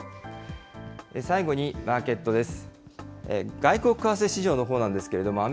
最後にマーケットです。